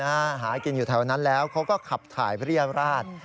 หากินอยู่แถวนั้นแล้วเขาก็ขับถ่ายเรียราช